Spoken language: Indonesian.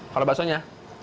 kalau bakso nya